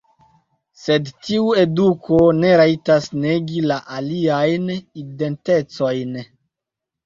Sed tiu eduko ne rajtas negi la aliajn identecojn.